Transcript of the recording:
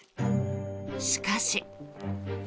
しかし。